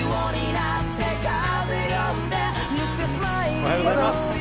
おはようございます。